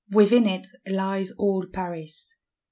Within it lies all Paris.